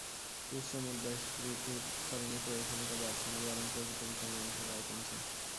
উচ্চ মুদ্রাস্ফীতির কারণে ক্রয়ক্ষমতা বাড়ছে না বরং প্রকৃত বিচারে মানুষের আয় কমছে।